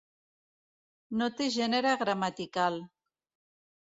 No té gènere gramatical.